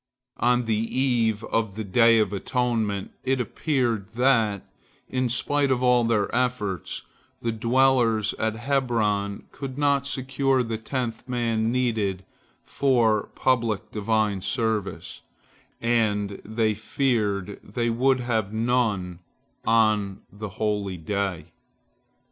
On the eve of the Day of Atonement, it appeared that, in spite of all their efforts, the dwellers at Hebron could not secure the tenth man needed for public Divine service, and they feared they would have none on the holy day.